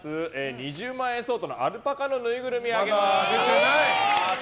２０万円相当のアルパカのぬいぐるみをあげます。